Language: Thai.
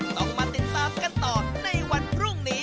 ต้องมาติดตามกันต่อในวันพรุ่งนี้